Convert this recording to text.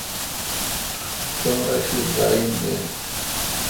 کمرا شی داین دین۔